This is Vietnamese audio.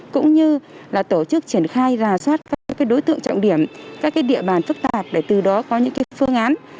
cũng như là tổ chức triển khai rà soát các đối tượng trọng điểm các địa bàn phức tạp để từ đó có những phương án